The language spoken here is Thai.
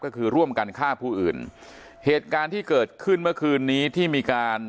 ก็คือร่วมกันฆ่าผู้อื่นเหตุการณ์ที่เกิดขึ้นเมื่อคืนนี้ที่มีการ